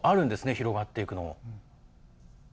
広がっていく。